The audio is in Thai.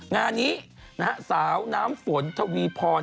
งานนี้นะฮะสาวน้ำฝนทวีพร